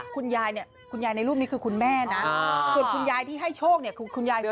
ผู้หญิงแก่คุณยายในรูปแต่ละคุณแม่เนี่ยคุณยายชุดให้โชคเขือเกลียว